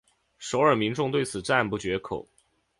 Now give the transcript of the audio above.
首尔民众对此赞不绝口。